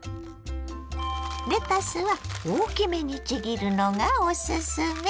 レタスは大きめにちぎるのがおすすめ。